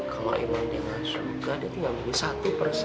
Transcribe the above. kalau emang dia gak suka dia tinggal beli satu persatu